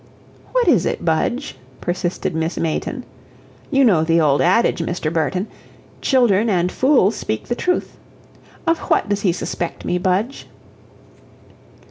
"What is it, Budge?" persisted Miss Mayton; "you know the old adage, Mr. Burton: 'Children and fools speak the truth.' Of what does he suspect me, Budge?"